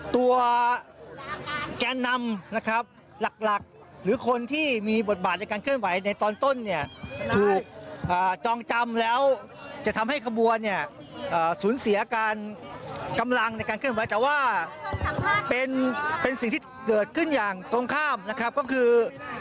ตัวแกนนำนะครับหลักหรือคนที่มีบทบาทในการเคลื่อนไหวในตอนต้นเนี่ยถูกจองจำแล้วจะทำให้ขบวนเนี่ยสูญเสียการกำลังในการเคลื่อนไหวแต่ว่าเป็นสิ่งที่เกิดขึ้นอย่างตรงข้ามนะครับก็คือ